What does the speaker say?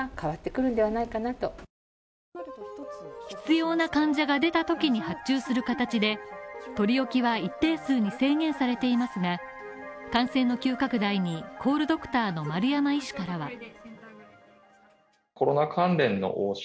必要な患者が出たときに発注する形で取り置きは一定数に制限されていますが感染の急拡大にコールドクターの丸山医師からは。